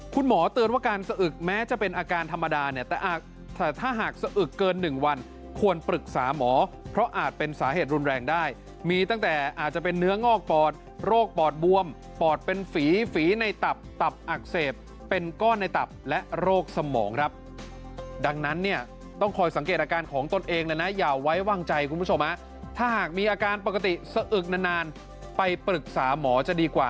คุณหมอเตือนว่าการสะอึกแม้จะเป็นอาการธรรมดาเนี่ยแต่ถ้าหากสะอึกเกิน๑วันควรปรึกษาหมอเพราะอาจเป็นสาเหตุรุนแรงได้มีตั้งแต่อาจจะเป็นเนื้องอกปอดโรคปอดบวมปอดเป็นฝีในตับตับอักเสบเป็นก้อนในตับและโรคสมองครับดังนั้นเนี่ยต้องคอยสังเกตอาการของตนเองนะอย่าไว้ว่างใจคุณผู้ชม